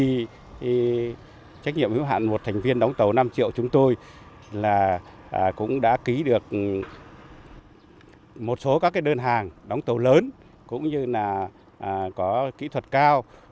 thì trách nhiệm hữu hạn một thành viên đóng tàu năm triệu chúng tôi là cũng đã ký được một số các đơn hàng đóng tàu lớn cũng như là có kỹ thuật cao